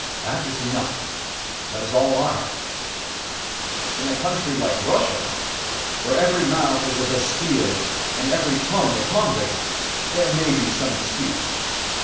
That is enough. That is all I ask. In a country like Russia, where every mouth is a bastile and every tongue a convict, there may be some excuse.